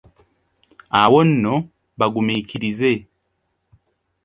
Awo nno, bagumiikirize.